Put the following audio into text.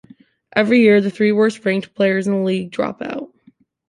Every year, the three worst-ranked players in the league drop out.